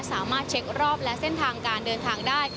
สามารถเช็ครอบและเส้นทางการเดินทางได้